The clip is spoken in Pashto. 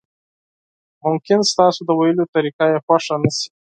ممکن ستاسو د ویلو طریقه یې خوښه نشي.